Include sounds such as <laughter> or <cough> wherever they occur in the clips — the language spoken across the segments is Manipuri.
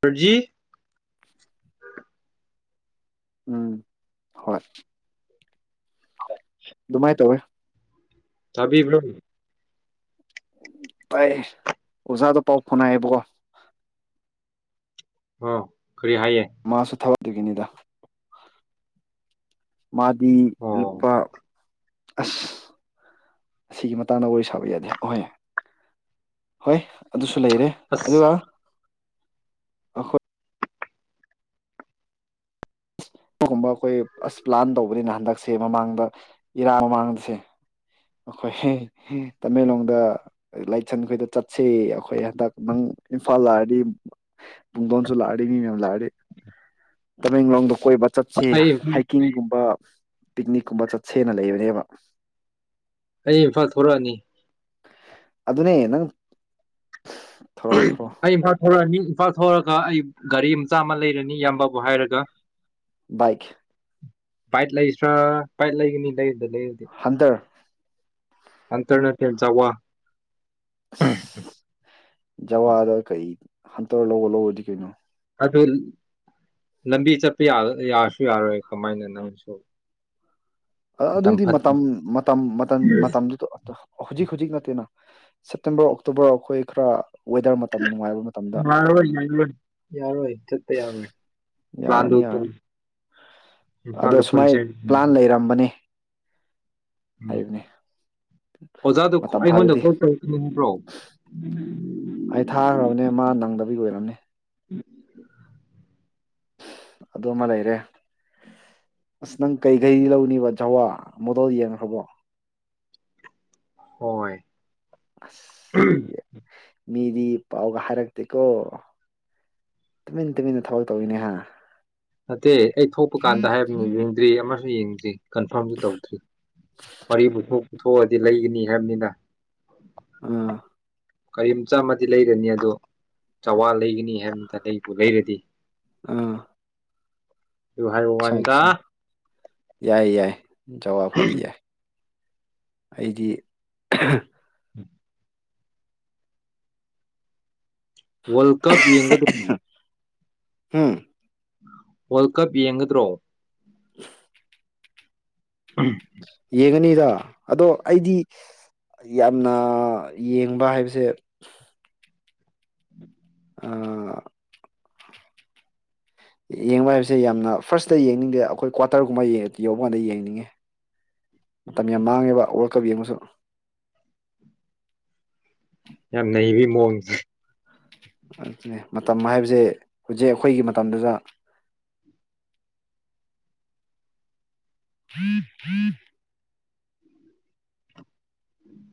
ꯃꯔꯖꯤ ꯎꯝ ꯍꯣꯏ ꯑꯗꯨꯃꯥꯏꯅ ꯇꯧꯋꯦ ꯇꯕꯤꯕ꯭ꯔꯣ ꯇꯥꯏ ꯑꯣꯖꯥꯗꯣ ꯄꯥꯎ ꯐꯅ ꯍꯥꯏꯕꯀꯣ ꯑꯥ ꯀꯔꯤ ꯍꯥꯏꯌꯦ ꯑꯗꯨꯗꯒꯤꯅꯤꯗ ꯃꯥꯗꯤ ꯑꯣ ꯂꯨꯄꯥ ꯑꯁ ꯑꯁꯤꯒꯤ ꯃꯇꯥꯡꯗ ꯋꯥꯔꯤ ꯁꯥꯕ ꯌꯥꯗꯦ ꯑꯍꯣꯏ ꯍꯣꯏ ꯑꯗꯨꯁꯨ ꯂ ꯂꯩꯔꯦ ꯑꯗꯨ ꯑꯁ ꯋꯥ ꯑꯈꯣꯏ ꯑꯗꯨꯒꯨꯝꯕ ꯑꯩꯈꯣꯏ ꯑꯁ ꯄ꯭ꯂꯥꯟ ꯇꯧꯕꯅꯤꯅ ꯍꯟꯗꯛꯁꯦ ꯃꯃꯥꯡꯗ ꯏꯔꯥ ꯃꯃꯥꯡꯗꯁꯦ ꯑꯩꯈꯣꯏ ꯇꯃꯦꯡꯂꯣꯡꯗ ꯂꯥꯏꯁꯟꯈꯣꯏꯗ ꯆꯠꯁ ꯑꯩꯈꯣꯏ ꯍꯟꯗꯛ ꯅꯪ ꯏꯝꯐꯥꯜ ꯂꯥꯛꯑꯗꯤ ꯄꯨꯡꯗꯣꯟꯁꯨ ꯂꯥꯛꯑꯗꯤ ꯃꯤ ꯃꯌꯥꯝ ꯂꯥꯛꯑꯗꯤ ꯇꯃꯦꯡꯂꯣꯡꯗ ꯀꯣꯏꯕ ꯆꯠꯁꯤ ꯑꯩ ꯍꯥꯏꯀꯤꯡꯒꯨꯝꯕ ꯄꯤꯛꯅꯤꯛꯀꯨꯝꯕ ꯆꯠꯁꯦꯅ ꯂꯩꯕꯅꯦꯕ ꯑꯩ ꯏꯝꯐꯥꯜ ꯊꯣꯛꯂꯛꯑꯅꯤ ꯑꯗꯨꯅꯦ ꯅꯪ ꯊꯧꯔꯛꯑꯣ ꯊꯧꯔꯛꯑꯣ ꯑꯩ ꯏ ꯐ ꯊꯔ ꯐꯥꯛꯊꯑꯒ ꯑꯩ ꯒꯥꯔꯤ ꯃꯆꯥ ꯑꯃ ꯂꯩꯔꯅꯤ ꯏꯌꯥꯝꯕꯕꯨ ꯍꯥꯏꯔꯒ ꯏꯛ ꯄꯥꯏꯠ ꯂꯩꯁ꯭ꯔꯥ ꯄꯥꯏꯠ ꯂꯩꯒꯅꯤ ꯂꯩ ꯂꯗꯤ ꯍꯟꯇꯔ ꯑꯟꯇꯔ ꯅ ꯊ ꯆ ꯋꯥ <unintelligible> ꯖꯋꯥꯗ ꯀꯩ ꯍꯟꯇꯔ ꯂꯧꯕ ꯂꯧꯕꯗꯤ ꯀꯩꯅꯣ ꯑꯗꯨ ꯂꯝꯕꯤ ꯆꯠꯄ ꯌꯥꯁꯨ ꯌꯥꯔꯣꯏ ꯀꯃꯥꯏꯅ ꯅꯪꯁꯨ ꯑꯗꯨꯗꯤ ꯃꯇꯝ ꯃꯇꯝ ꯃꯇꯝ ꯃꯇꯝꯗꯨ ꯍꯧꯖꯤꯛ ꯍꯧꯖꯤꯛ ꯅꯠꯇꯦꯅ ꯁꯦꯞꯇꯦꯝꯕꯔ ꯑꯣꯛꯇꯣꯕꯔ ꯑꯩꯈꯣꯏ ꯈꯔ ꯋꯦꯗꯔ ꯃꯇꯝ ꯅꯨꯡꯉꯥꯏꯕ ꯃꯇꯝꯗ ꯌꯥꯔ ꯑꯣꯏ ꯌꯥ ꯌꯥꯔꯣꯏ ꯆꯠꯄ ꯌꯥꯔꯣꯏ ꯌꯥꯔꯅꯤ ꯄ꯭ꯂꯥꯟꯗꫭ ꯌꯥꯔꯅꯤ ꯇꫭꯛ ꯑꯗꯣ ꯏꯝꯐꯥꯜꯗ ꯁꯨꯃꯥꯏ ꯄꯨꯟꯁꯦ ꯄ꯭ꯂꯥꯟ <unintelligible> ꯎꯝ ꯍꯥꯏꯕꯅꯦ ꯑꯣꯖꯥꯗꯨ ꯃꯇꯝ ꯑꯩꯉꯣꯟꯗ ꯐꯔꯗꯤ ꯀꯣꯜ ꯇꯧꯔꯛꯀꯅꯤ ꯍꯥꯏꯕ꯭ꯔꯣ ꯑꯩ ꯊꯥꯈ꯭ꯔꯕꯅꯦ ꯃꯥ ꯅꯪꯗꯕꯒꯤ ꯑꯣꯏꯔꯒꯅꯤ ꯎꯝ ꯑꯗꯨꯃ ꯂꯩꯔꯦ ꯑꯁ ꯅꯪ ꯀꯩ ꯀꯩ ꯂꯧꯅꯤꯕ ꯖꯋꯥ ꯃꯣꯗꯣꯜ ꯌꯦꯡꯈ꯭ꯔꯕꯣ ꯍꯣꯏ ꯑꯁ ꯃꯤꯗꯤ ꯄꯥꯎꯒ ꯍꯥꯏꯔꯛꯇꯦꯀꯣ ꯇꯨꯃꯤꯟ ꯇꯨꯃꯤꯟꯅ ꯊꯕꯛ ꯇꯧꯋꯤꯅꯦꯍ ꯅꯠꯇꯦ ꯑꯩ ꯊꯣꯛꯄ ꯀꯥꯟꯗ ꯍꯥꯏꯕ ꯌꯦꯡꯗ꯭ꯔꯤ ꯑꯃꯁꯨ ꯌꯦꯡꯖꯩ ꯀꯟꯐꯥꯔꯝꯕꯨ ꯇꯧꯗ꯭ꯔꯤ ꯋꯥꯔꯤ ꯄꯨꯊꯣꯛ ꯄꯨꯊꯣꯛꯑꯗꯤ ꯂꯩꯒꯅꯤ ꯍꯥꯏꯕꯅꯤꯗ ꯑꯥ ꯀꯔꯤꯝ ꯆꯥꯝꯃꯗꯤ ꯂꯩꯔꯅꯤ ꯑꯗꯣ ꯆꯋꯥ ꯂꯩꯒꯅꯤ ꯍꯥꯏꯕꯟꯇꯅꯤ ꯂꯩꯕꯨ ꯂꯩꯔꯗꯤ ꯑꯥ ꯑꯗꯨ ꯍꯥꯏꯕꯩ ꯑꯠꯆꯥ ꯋꯥꯅꯤꯗ ꯑꯠꯆꯥ ꯌꯥꯏ ꯌꯥꯏ ꯖꯕ ꯑꯣꯏꯗꯤ ꯌꯥꯏ ꯑꯩꯗꯤ ꯋꯥꯔꯜ ꯀꯞ ꯌꯦꯡꯒꯗꯝ ꯎꯝ ꯋꯥꯔꯜ ꯀꯞ ꯌꯦꯡꯒꯗ꯭ꯔꯣ <unintelligible> ꯌꯦꯡꯉꯅꯤꯗ ꯑꯗꯣ ꯑꯩꯗꯤ ꯌꯥꯝꯅ ꯌꯦꯡꯕ ꯍꯥꯏꯕꯁꯦ ꯑ ꯌꯦꯡꯕ ꯍꯥꯏꯕꯁꯦ ꯌꯥꯝꯅ ꯐꯥꯔꯁꯇ ꯌꯦꯡꯅꯤꯡꯗꯦ ꯑꯩꯈꯣꯏ ꯀ꯭ꯋꯥꯇꯔꯒꯨꯝꯕ ꯌꯧꯕꯧꯕ ꯀꯥꯟꯗ ꯌꯦꯡꯅꯤꯡꯉꯤ ꯃꯇꯝ ꯌꯥꯝ ꯃꯥꯡꯉꯦꯕ ꯋꯥꯔꯜ ꯀꯞ ꯌꯦꯡꯕꯁꯨ ꯌꯥꯝ ꯅꯩꯕꯩ ꯃꯑꫭꯡꯅꯤꯅꯦ ꯑꯗꯨ ꯃꯇꯝ ꯍꯥꯏꯕꯁꯦ ꯍꯧꯖꯤꯛ ꯑꯩꯈꯣꯏꯒꯤ ꯃꯇꯝꯗꯨꯗ <unintelligible> <inaudible>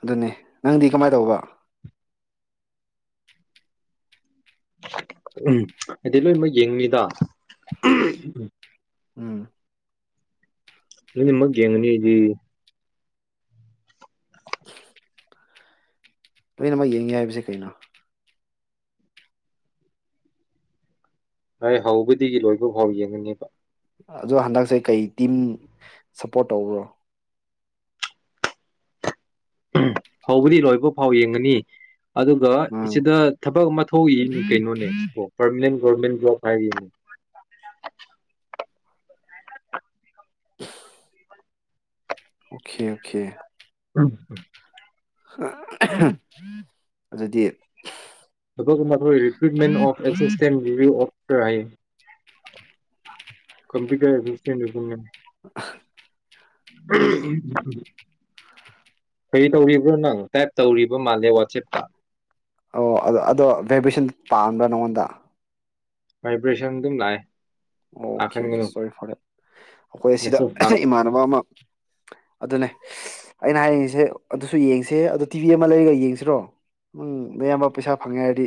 ꯑꯗꯨꯅꯦ ꯅꯪꯗꯤ ꯀꯃꯥꯏꯅ ꯇꯧꯕ ꯎꯝ ꯍꯥꯏꯗꯤ ꯂꯣꯏꯅꯃꯛ ꯌꯦꯡꯅꯤꯗ ꯎꯝ ꯎꯝ ꯂꫭꯏꯅꯃꯛ ꯌꯦꯡꯉꯅꯤꯗꯤ ꯂꯣꯏꯅꯃꯛ ꯌꯦꯡꯉꯦ ꯍꯥꯏꯕꯁꯦ ꯀꯩꯅꯣ꯫ ꯍꯣꯏ ꯍꯧꯕꯗꯒꯤ ꯂꯣꯏꯕ ꯐꯥꯎ ꯌꯦꯡꯉꯅꯤꯕ꯫ ꯑꯗꯣ ꯍꯟꯗꯛꯁꯦ ꯀꯩ ꯇꯤꯝ ꯁꯞꯄꯣꯔꯠ ꯇꯧꯕ꯭ꯔꯣ꯫ ꯍꯧꯕꯗꯤ ꯂꯣꯏꯕ ꯐꯥꯎ ꯌꯦꯡꯒꯅꯤ꯫ ꯑꯗꯨꯒ ꯎꯝ ꯁꯤꯗ ꯊꯕꯛ ꯑꯃ ꯊꯣꯛꯏ ꯀꯩꯅꯣꯅꯦ ꯁꯤꯕꯨꯣ ꯄꯔꯃꯅꯦꯟ ꯒꯣꯔꯃꯦꯟ ꯖꯣꯕ ꯍꯥꯏꯔꯤꯅꯤ꯫ <unintelligible> ꯑꯣꯀꯦ-ꯑꯣꯀꯦ ꯎꯝꯝ ꯑꯗꯨꯗꯤ <unintelligible> ꯍꯣꯏ recruitment of assistant review of ꯔꯥꯏ ꯀꯝꯄ꯭ꯨꯇꯔ ꯑꯦꯁꯤꯁꯇꯦꯟ ꯔꯤꯀ꯭ꯔꯨꯠꯃꯦꯟ꯫ <unintelligible> ꯀꯔꯤ ꯇꯧꯔꯤꯕ꯭ꯔꯣ ꯅꯪ ꯇꯥꯏꯞ ꯇꯧꯔꯤꯕ ꯃꯥꯜꯂꯦ ꯋꯥꯆꯦꯞꯇ꯫ ꯑꯣ ꯑꯗꫭ ꯑꯗꯣ ꯚꯥꯏꯕ꯭ꯔꯦꯁꯟ ꯄꯥꯝꯕ꯭ꯔꯥ ꯅꯉꯣꯟꯗ꯫ ꯚꯥꯏꯕ꯭ꯔꯦꯁꯟ ꯑꯗꯨꯝ ꯂꯥꯛꯑꯦ꯫ ꯑꯣꯀꯦ-ꯑꯣꯀꯦ ꯂꯥꯛꯍꯟꯒꯅꯨ ꯐꫭꯔ ꯗꯦꯠ ꯑꯈꯣꯏ ꯑꯁꯤꯗ ꯃꯦꯁꯦꯖ ꯂꯥꯛ ꯏꯃꯥꯟꯅꯕ ꯑꯃ ꯑꯗꯨꯅꯦ ꯑꯩꯅ ꯍꯥꯏꯅꯤꯡꯏꯁꯦ ꯑꯗꯨꯁꯨ ꯌꯦꯡꯁꯦ, ꯑꯗꯨ ꯇꯤꯚꯤ ꯑꯃ ꯂꯩꯔꯒ ꯌꯦꯡꯁꯤꯔꯣ, ꯅꯪ ꯅꯌꯥꯝꯕ ꯄꯩꯁꯥ ꯐꯪꯉꯦ ꯍꯥꯏꯔꯗꯤ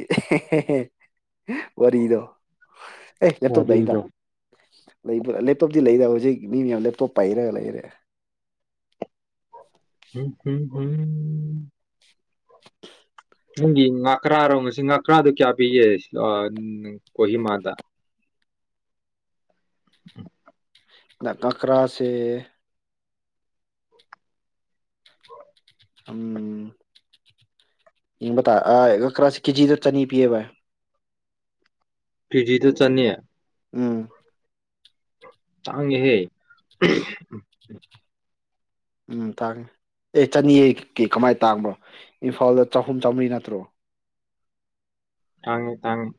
ꯋꯥꯔꯤꯗꯣ꯫ ꯑꯦ ꯂꯦꯞꯇꫭꯞ ꯂꯩꯌꯦꯗ꯫ ꯋꯥꯔꯤꯗꯣ ꯂꯩꯕ ꯂꯦꯞꯇꯣꯞꯇꯤ ꯂꯩꯗꯕ ꯍꯧꯖꯤꯛ ꯃꯤ ꯃꯌꯥꯝ ꯂꯦꯞꯇꯣꯞ ꯄꯩꯔꯒ ꯂꯩꯔꯦ꯫ <unintelligible> ꯅꯪꯒꯤ ꯉꯥꯀ꯭ꯔꯥꯔꯣ ꯉꯁꯤ ꯉꯥꯀ꯭ꯔꯥꯗꯨ ꯀꯌꯥ ꯄꯤꯒꯦ ꯁ ꯑꯥ ꯀꯣꯍꯤꯃꯥꯗ꯫ <inaudible> ꯅ ꯉꯥꯀ꯭ꯔꯥꯁꯦ ꯎꯝ ꯌꯦꯡꯕ ꯇꯥꯏ ꯉꯀ꯭ꯔꯥꯁꯤ ꯀꯦꯖꯤꯗ ꯆꯅꯤ ꯄꯤꯌꯦ ꯕꯥꯏ꯫ ꯀꯦꯖꯤꯗ ꯆꯅꯤ꯫ ꯎꯝ ꯇꯥꯡꯒꯦ ꯍꯦ꯫ ꯎꯝ ꯇꯥꯡꯑꯦ ꯑꯦ ꯆꯅꯤꯍꯩ ꯀꯤ ꯀꯃꯥꯏꯅ ꯇꯥꯡꯕ꯭ꯔꯣ ꯏꯝꯐꯥꯜꯗ ꯆꯍꯨꯝ ꯆꯥꯝꯃꯔꯤ ꯅꯠꯇ꯭ꯔꯣ꯫ ꯇꯥꯡꯉꯤ-ꯇꯥꯡꯉꯤ꯫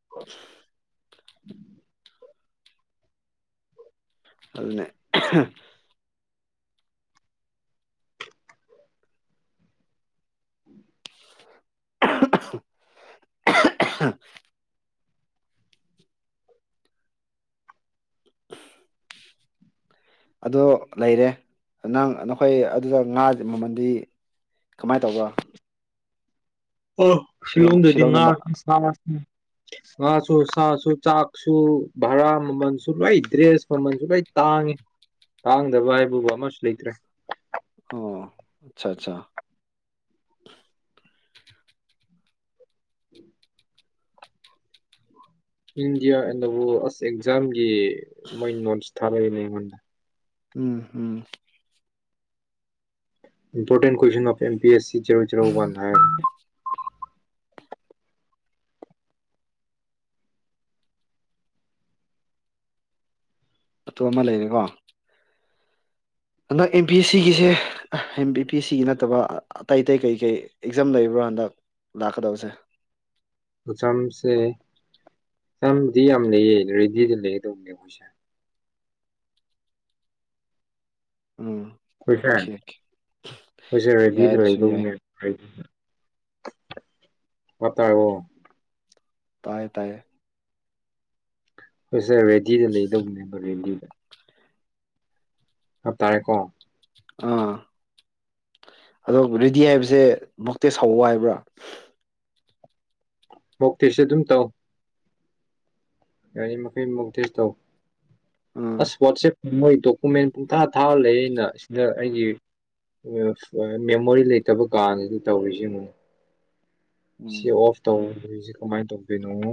<inaudible> <inaudible> ꯑꯗꯨꯅꯦ꯫ <unintelligible> ꯑꯗꫭ ꯂꯩꯔꯦ ꯅꯪ ꯅꯈꯣꯏ ꯑꯗꯨꯗ ꯉꯥ ꯃꯃꯟꯗꯤ ꯀꯃꯥꯏ ꯇꯧꯕ꯫ ꯑ ꯁꯤꯂꯣꯡ ꯁꯤꯂꯣꯡꯗꯗꯤ ꯉꯥ ꯁꯤꯂꯣꯡꯗꯝꯕ ꯁꯥ ꯉꯥꯁꯨ ꯁꯥꯁꯨ ꯆꯥꯛꯁꯨ ꯚꯔꯥ ꯃꯃꯜꯁꯨ ꯂꯣꯏ ꯗ꯭ꯔꯦꯁ ꯃꯃꯜꯁꯨ ꯂꯣꯏ ꯇꯥꯡꯉꯤ ꯇꯥꯡꯗꯕ ꯍꯥꯏꯕꯕꯨ ꯑꯃꯁꯨ ꯂꯩꯇ꯭ꯔꯦ꯫ ꯑꯣ ꯑꯆꯥ ꯆꯥ <unintelligible> ꯏꯤꯟꯗꯤꯌꯥ ꯑꯦꯟꯗ ꯗ ꯋꫭꯔꯜꯗ ꯑꯁ ꯑꯦꯛꯖꯥꯝꯒꯤ ꯃꯣꯏ ꯅꯣꯠꯁ ꯊꯥꯔꯛꯏꯅꯦ ꯑꯩꯉꯣꯟꯗ꯫ ꯎꯝ-ꯎꯝ ꯏꯝꯄꯣꯔꯦꯟ ꯀꯟ ꯑꯣꯐ ꯄꯑꯦꯁ <unintelligible> ꯑꯇꯣꯞꯄ ꯑꯃ ꯂꯩꯔꯤꯀꯣ ꯍꯟꯗꯛ ꯑꯦꯝ ꯄꯤ ꯑꯦꯁ ꯁꯤꯒꯤꯁꯦ ꯄꯤ ꯑꯦꯁ ꯁꯤꯒꯤ ꯅꯠꯇꯕ ꯑꯇꯩ ꯑꯇꯩ ꯀꯩꯀꯩ ꯑꯦꯛꯖꯥꯝ ꯂꯩꯕ꯭ꯔꯥ ꯍꯟꯗꯛ ꯂꯥꯛꯀꯗꯕꯁꯦ ꯃꯆꯝꯁꯦꯗꯤ ꯌꯥꯝ ꯂꯩꯌꯦ ꯔꯦꯗꯤꯗ ꯂꯩꯗꯧꯕꯅꯦ ꯑꯩꯈꯣꯏꯁꯦ ꯎꯝ ꯀꯣꯏꯁꯦ ꯑꯣꯀꯦ ꯑꯣꯀꯦ ꯀꯣꯏꯁꯦ ꯔꯦꯗꯤ ꯌꯥꯏ ꯑꯗꯨꯁꯨ ꯌꯥꯏ ꯂꯩꯔꯗꯕꯅꯦ <unintelligible> ꯇꯌꯦ ꯇꯥꯏꯌꯦ ꯁꯔ ꯔꯦꯗꯤꯗ ꯂꯩꯗꯧꯕꯅꯦꯕ ꯔꯦꯗꯤꯗ <inaudible> <unintelligible> ꯑꯥ ꯑꯗꯣ ꯔꯦꯗꯤ ꯍꯥꯏꯕꯁꯦ ꯃꯨꯛꯇ ꯁꯥꯎꯑꯣ ꯍꯥꯏꯕ꯭ꯔꯥ ꯃꯣꯛꯇꯦꯁꯨ ꯑꯗꯨꯝ ꯇꯧ ꯌꯥꯔꯤ ꯃꯈꯩ ꯃꯨꯛꯇꯦꯁ ꯇꯧ ꯎꯝ ꯑꯁ ꯋꯥꯠꯁꯑꯦꯞ ꯃꯣꯏ ꯗꯣꯀꯨꯃꯦꯟ ꯄꯨꯡꯊꯥ ꯊꯥꯔ ꯂꯩ ꯑꯩꯅ ꯁꯤꯗ ꯑꯩꯒꯤ ꯃꯦꯃꯣꯔꯤ ꯂꯩꯇꯕ ꯀꯅꯁꯨ ꯇꯧꯔꯤ ꯁꯦ ꯌꯦꯡꯉꯣ ꯁꯤ ꯎꯝ ꯑꯣꯐ ꯇꯣꯡ ꯀꯃꯥꯏꯅ ꯇꯧꯗꯣꯏꯅꯣ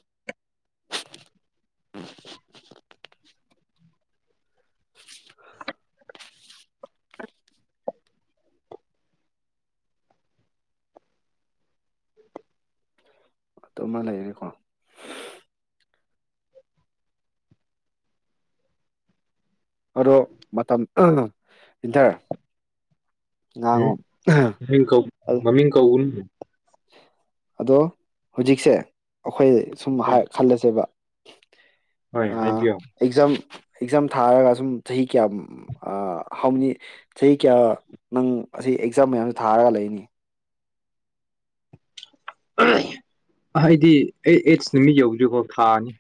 <unintelligible> <unintelligible> ꯑꯗꯨꯃ ꯂꯩꯔꯦꯀꯣ ꯑꯗꯣ ꯃꯇꯝ ꯏꯟꯊꯔ ꯎꯝ ꯃꯃꯤꯡ ꯀꯧꯒꯅꯨ ꯑꯗꯣ ꯍꯧꯖꯤꯛꯁꯦ ꯑꯩꯈꯣꯏ ꯁꯨꯝ ꯍꯣꯏ ꯈꯜꯂꯁꯦꯕ ꯍꯣꯏ ꯑ ꯍꯥꯏꯕꯤꯌꯣ ꯑꯦꯛꯖꯝ ꯑꯦꯛꯖꯥꯝ ꯊꯥꯔꯒ ꯁꯨꯝ ꯆꯍꯤ ꯀꯌꯥ ꯍꯥꯎ ꯃꯦꯅꯤ ꯆꯍꯤ ꯀꯌꯥ ꯅꯪ ꯑꯁꯤ ꯑꯦꯛꯖꯥꯝ ꯃꯌꯥꯝꯁꯤ ꯊꯥꯔꯒ ꯂꯩꯅꯤ ꯑꯩꯗꯤ ꯑꯩ ꯑꯩꯠꯁ ꯅꯨꯃꯤꯠ ꯌꯧꯗ꯭ꯔꯤꯐꯥꯎ ꯊꯥꯅꯤ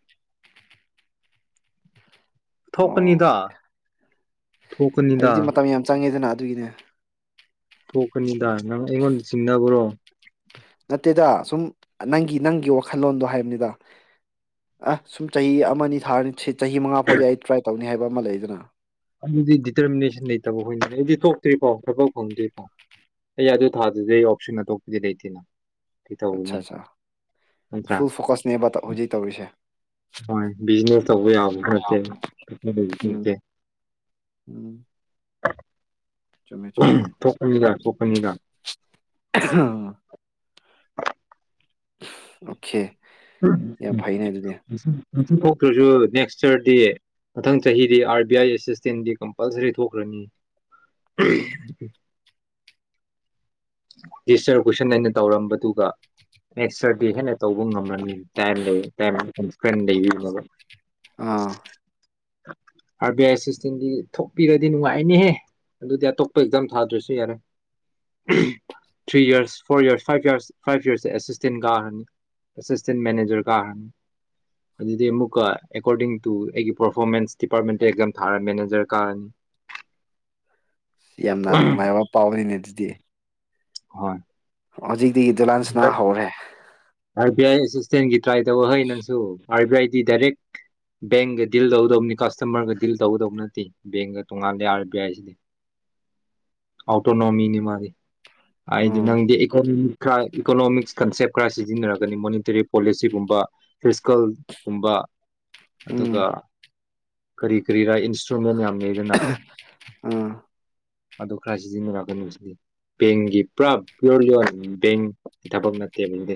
ꯑꯣ ꯊꯣꯛꯀꯅꯤꯗ ꯊꯣꯛꯣꯛꯀꯅꯤꯗ ꯍꯥꯏꯕꯗꯤ ꯃꯇꯝ ꯌꯥꯝ ꯆꯪꯉꯦꯗꯅ ꯑꯗꯨꯒꯤꯅꯦ ꯊ‌ꯣꯛ ꯀꯅꯤ ꯅꯪ ꯑꯩꯃꯣꯟ ꯆꯤꯡꯅꯒꯔꯣ ꯅꯠꯇꯦꯗ ꯁꯨꯝ ꯅꯪꯒꯤ ꯅꯪꯒꯤ ꯋꯥꯈꯜꯂꯣꯟꯗꯣ ꯍꯥꯏꯕꯅꯤꯗ ꯑ ꯁꯨꯝ ꯆꯍꯤ ꯑꯃꯅꯤ ꯊꯥꯔꯅꯤ ꯁꯤꯠ ꯆꯍꯤ ꯃꯉꯥ ꯐꯥꯎꯗꯤ ꯑꯩ ꯇ꯭ꯔꯥꯏ ꯇꯧ ꯅꯤ ꯍꯥꯏꯕ ꯑꯃ ꯂꯩꯗꯅ ꯑꯗꯨꯗꯤ ꯗꯤꯇꯔꯃꯤꯅꯦꯁꯟ ꯂꯩꯇꯕ ꯍꯣꯏꯅꯅꯦ ꯑꯩꯗꯤ ꯊꯣꯛꯇ꯭ꯔꯤꯐꯥꯎ ꯊꯕꯛ ꯐꯪꯗ꯭ꯔꯤ ꯄꯥꯎ ꯑꯩ ꯑꯗꯨ ꯊꯥꯗꯗꯤ ꯑꯩ ꯑꯣꯞꯁꯟ ꯑꯇꯣꯄꯗꯤ ꯂꯩꯇꯦꯅ ꯀꯩ ꯑꯆꯥ ꯇꯧꯔꯨꯅꯤ ꯑꯆꯥ ꯅꯠꯇ꯭ꯔꯥ ꯐꯨꯜ ꯐꯣꯀ꯭ꯁꯅꯤꯕ ꯍꯧꯖꯤ ꯇꯧꯔꯤꯁꯦ ꯍꯣꯏ ꯕꯤꯖꯤꯅꯦꯁ ꯇꯧꯕ ꯌꯥꯕꯗꯤ ꯅꯠꯇꯦ ꯎꯝ ꯅꯠꯇꯦ ꯎꯝ ꯆꯨꯝꯃꯦ ꯆꯨꯝꯃꯦ ꯑꯗꯨ ꯊꯣꯛꯀꯅꯤꯗ ꯊꯣꯛꯀꯅꯤꯗ ꯑ ꯑꯣꯀꯦ ꯌꯥ ꯐꯥꯏꯅꯦ ꯑꯗꯨꯗꯤ ꯅ ꯊꯣꯛꯇ꯭ꯔꯁꯨ ꯅꯦꯛꯁ ꯌꯔꯗꯤ ꯃꯊꯪ ꯆꯍꯤꯗꯤ ꯑꯥꯔ ꯕꯤ ꯑꯥꯏ ꯑꯦꯁꯤꯁꯇꯦꯟꯗꯤ ꯀꯝꯄꯜꯁꯔꯤ ꯊꯣꯛꯈ꯭ꯔꯅꯤ <unintelligible> ꯗꯤꯁꯇꯔ ꯀꯣꯏꯁꯟ ꯑꯩꯅ ꯇꯧꯔꯝꯕꯗꯨꯒ ꯅꯦꯛꯁꯇꯔꯗꯦ ꯍꯦꯟꯅ ꯇꯧꯕ ꯉꯝꯂꯅꯤ ꯇꯥꯏꯝ ꯂꯩ ꯐ꯭ꯔꯦꯟ ꯂꯩꯕꯤꯕ ꯑꯥ ꯑꯥꯔ ꯕꯤ ꯑꯥꯏ ꯁꯤꯁꯇꯦꯝꯒꯤ ꯊꯣꯛꯄꯤꯔꯗꯤ ꯅꯨꯡꯉꯥꯏꯅꯦꯍꯦ ꯑꯗꯨꯗꯤ ꯑꯇꯣꯞꯄ ꯑꯦꯛꯖꯥꯝ ꯊꯥꯗ꯭ꯔꯁꯨ ꯌꯥꯔꯦ three years four years five years five ꯌꯔꯁꯁꯦ ꯑꯦꯁꯤꯁꯇꯦꯟ ꯀꯥꯈ꯭ꯔꯅꯤ ꯑꯦꯁꯤꯁꯇꯦꯟ ꯃꯦꯅꯦꯖꯔ ꯀꯥꯈ꯭ꯔꯅꯤ ꯑꯗꯨꯗꯤ ꯑꯃꯨꯛꯀ ꯑꯦꯀꯣꯔꯗꯤꯡ ꯇꯨ ꯑꯩꯒꯤ ꯄꯔꯐꯣꯔꯃꯦꯟꯁ ꯗꯤꯄꯥꯔꯠꯃꯦꯟꯇ ꯑꯦꯛꯖꯥꯝ ꯊꯥꯔ ꯃꯦꯅꯦꯖꯔ ꯀꯥꯔꯅꯤ ꯌꯥꯝꯅ ꯅꯨꯡꯉꯥꯏꯕ ꯄꯥꯎꯔꯤꯅꯦ ꯑꯗꯨꯗꯤ ꯍꯣꯏ ꯍꯧꯖꯤꯛ ꯗꯤ ꯗ ꯂꯥꯟꯁ ꯅꯥ ꯍꯧꯔꯦ ꯑꯥꯏ ꯄꯤ ꯑꯥꯏ ꯑꯦꯁꯇꯦꯟ ꯇ꯭ꯔꯥꯏ ꯇꯧꯕ ꯍꯩ ꯅꯪꯁꯨ R B ID direct ꯕꯦꯡꯒ deal ꯇꯧꯒꯗꯕꯅꯤ ꯀꯁꯇꯃꯔꯒ ꯗꯤꯜ ꯇꯧꯒꯗꯕ ꯅꯠꯇꯦ ꯕꯦꯡꯒ ꯇꯣꯡꯉꯥꯟꯂꯦ ꯑꯥꯔ ꯕꯤ ꯑꯥꯏꯁꯤꯗꯤ ꯑꯣꯇꯣꯅꯣꯃꯤꯅꯤ ꯃꯥꯗꯤ ꯍꯥꯏꯗꯤ ꯎꯝ ꯅꯪꯗꯤꯣ ꯏꯀꯣꯅꯣꯃꯤꯛꯁ ꯀꯟꯁꯦꯞ ꯀ꯭ꯔꯁꯤ ꯁꯤꯖꯤꯟꯅꯔꯒꯅꯤ ꯃꯣꯅꯤꯇꯔꯤ ꯄꯣꯂꯤꯁꯤꯒꯨꯝꯕ ꯐꯤꯖꯤꯀꯦꯜꯒꯨꯝꯕ ꯑꯗꯨꯒ ꯎꯝ ꯀꯔꯤ ꯀꯔꯤ ꯔ ꯏꯟ ꯑ ꯑꯗꯨ ꯈꯔ ꯁꯤꯖꯤꯟꯅꯔꯛꯀꯅꯤ ꯍꯧꯗꯤ ꯕꯦꯡꯒꯤ ꯄꯨꯔꯥ ꯄꯤꯌꯣꯔ ꯂꯣꯟ ꯕꯦꯡꯀꯤ ꯊꯕꯛ ꯅꯠꯇꯦꯕ ꯍꯧꯖꯤꯗꯤ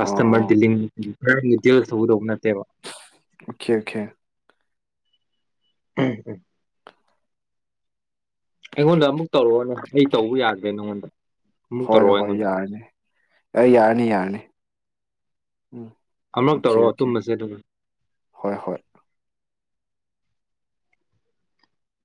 ꯑꯣ ꯑꯣ ꯗꯗꯤꯜꯂꯤ ꯈꯔꯗꯤ ꯇꯦꯜꯒ ꯊꯧꯒꯗꯧꯕ ꯅꯠꯇꯦꯕ ꯑꯣꯀꯦ ꯑꯣꯀꯦ ꯎꯝꯝ ꯑꯩꯉꯣꯟꯗ ꯑꯃꯨꯛ ꯇꯧꯔꯛꯑꯣꯅꯦ ꯑꯩ ꯇꯧꯕ ꯌꯥꯗ꯭ꯔꯦ ꯅꯪꯉꯣꯟꯗ ꯑꯃꯨꯛ ꯍꯣꯏ ꯇꯧꯔꯛꯑꯣ ꯍꯣꯏ ꯑꯩꯉꯣꯟꯗ ꯌꯥꯔꯅꯤ ꯑꯦ ꯌꯥꯔꯅꯤ ꯌꯥꯔꯅꯤ ꯎꯝ ꯑꯃꯛ ꯑꯣꯀꯦ ꯇꯧꯔꯛꯑꯣ ꯑꯣꯀꯦ ꯇꯨꯝꯕꯁꯦ ꯑꯗꯨꯒ ꯍꯣꯏ ꯍꯣꯏ